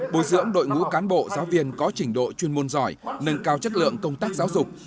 bồi dưỡng đội ngũ cán bộ giáo viên có trình độ chuyên môn giỏi nâng cao chất lượng công tác giáo dục